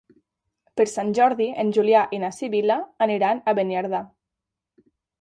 Per Sant Jordi en Julià i na Sibil·la aniran a Beniardà.